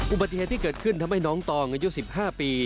อุบัดที่เกิดขึ้นทำให้น้องตอโมยูง๑๕ปี